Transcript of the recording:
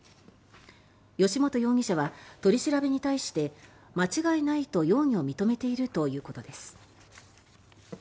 吉元容疑者は、取り調べに対して間違いないと容疑を認めているということです。